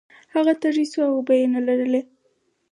هغه تږی شو او اوبه یې نلرلې.